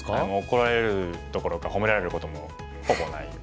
怒られるどころか褒められることもほぼない。